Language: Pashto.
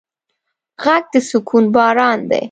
غږ د سکون باران دی